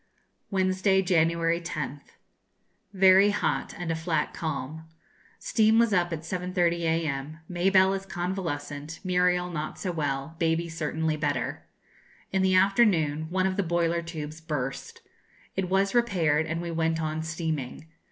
Wednesday, January 10th. Very hot, and a flat calm. Steam was up at 7.30 a.m. Mabelle is convalescent; Muriel not so well; Baby certainly better. In the afternoon one of the boiler tubes burst. It was repaired, and we went on steaming.